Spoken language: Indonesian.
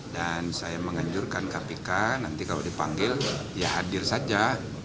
dan saya menganjurkan kpk nanti kalau dipanggil ya hadir saja